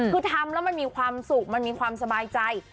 คือทำแล้วมันมีความสุขมันมีความสบายใจ